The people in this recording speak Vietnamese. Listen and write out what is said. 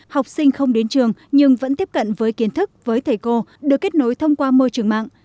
học sinh không đến trường nhưng vẫn tiếp cận với kiến thức với thầy cô được kết nối thông qua môi trường mạng